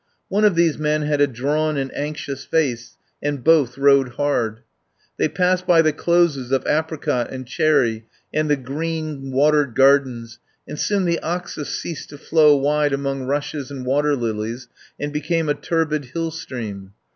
One of these men had a drawn and anxious face, and both rode hard. They passed by the closes of apri cot and cherry and the green, watered gardens, and soon the Oxus ceased to flow wide among rushes and water lilies and became a turbid hill stream.